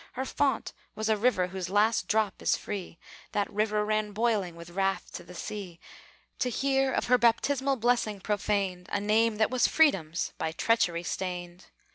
Her font was a river whose last drop is free: That river ran boiling with wrath to the sea, To hear of her baptismal blessing profaned; A name that was Freedom's, by treachery stained.